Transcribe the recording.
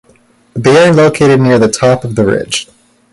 They are located near the top of the ridge.